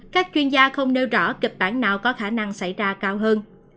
các chuyên gia không nêu rõ kịch bản nào có khả năng xảy ra cao hơn